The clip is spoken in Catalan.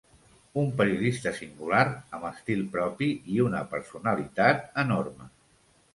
Un periodista singular, amb estil propi i una personalitat enorme.